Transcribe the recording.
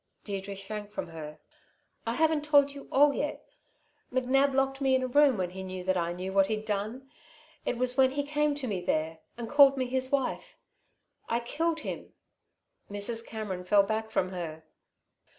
Deirdre shrank from her. "I haven't told you all yet. McNab locked me in a room when he knew that I knew what he'd done. It was when he came to me there and called me his wife I killed him." Mrs. Cameron fell back from her.